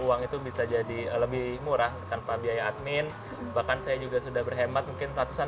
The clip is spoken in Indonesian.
uang itu bisa jadi lebih murah tanpa biaya admin bahkan saya juga sudah berhemat mungkin ratusan